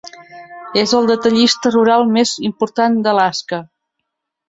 És el detallista rural més important d'Alaska.